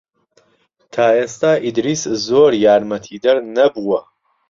تا ئێستا ئیدریس زۆر یارمەتیدەر نەبووە.